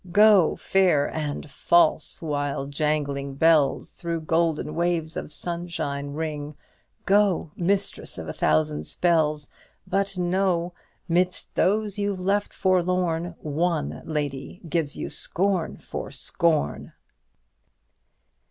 Go, fair and false, while jangling bells Through golden waves of sunshine ring; Go, mistress of a thousand spells: But know, midst those you've left forlorn, One, lady, gives you scorn for scorn."